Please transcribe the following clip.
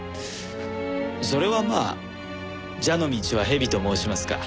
それはまあ蛇の道は蛇と申しますか。